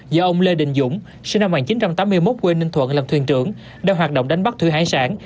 do ông lê đình dũng sinh năm một nghìn chín trăm tám mươi một quê ninh thuận làm thuyền trưởng đang hoạt động đánh bắt thủy hải sản